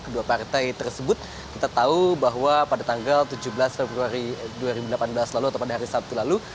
kedua partai tersebut kita tahu bahwa pada tanggal tujuh belas februari dua ribu delapan belas lalu atau pada hari sabtu lalu